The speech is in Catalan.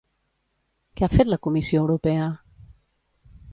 Què ha fet la Comissió Europea?